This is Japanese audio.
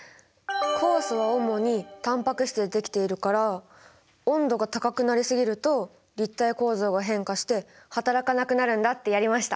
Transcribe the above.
酵素は主にタンパク質でできているから温度が高くなりすぎると立体構造が変化して働かなくなるんだってやりました！